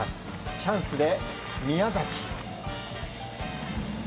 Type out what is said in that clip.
チャンスで宮崎。